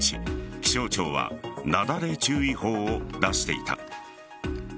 気象庁はなだれ注意報を出していた。